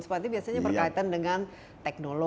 smart ini biasanya berkaitan dengan smartphone